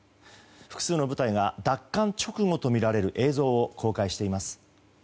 複数の部隊が奪還直後とみられる映像を公開しています。